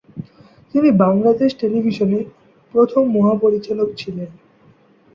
তিনি বাংলাদেশ টেলিভিশনের প্রথম মহাপরিচালক ছিলেন।